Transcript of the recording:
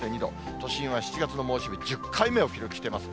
都心は７月の猛暑日１０回目を記録しています。